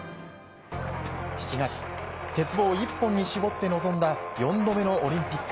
７月、鉄棒一本に絞って臨んだ４度目のオリンピック。